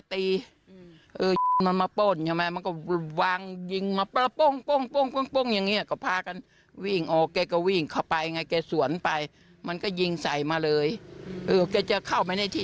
ที่ผักก็จะบ้านไปด้วยเหตุการณ์พอวิ่งเขาไปก็ยิงสวนมากตอนนั้นขมันอยู่ตรงอันเลย